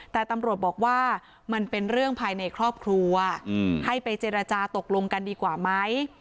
แต่ตำรวจบอกว่ามันเป็นเรื่องภายในครอบครัวให้ไปเจรจาตกลงกันดีกว่าไหม